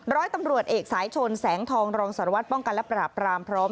ร้อยตำรวจเอกสายชนแสงทองรองสารวัตรป้องกันและปราบรามพร้อม